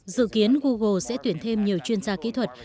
dự kiến google sẽ tuyển thêm nhiều chuyên gia kỹ thuật